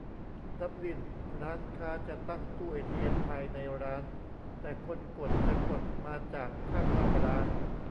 ดับลิน : ร้านค้าจะตั้งตู้เอทีเอ็มภายในร้าน แต่คนกดจะกดมาจากข้างนอกร้าน